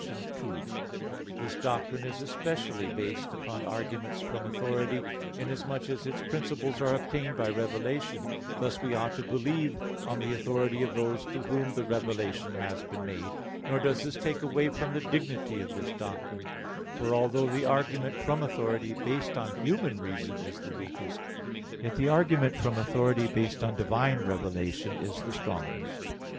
2: This doctrine is especially based upon arguments from authority, inasmuch as its principles are obtained by revelation: thus we ought to believe on the authority of those to whom the revelation has been made. Nor does this take away from the dignity of this doctrine, for although the argument from authority based on human reason is the weakest, yet the argument from authority based on divine revelation is the strongest.